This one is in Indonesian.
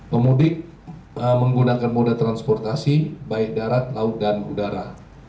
pemudik menggunakan moda transportasi baik darat laut dan udara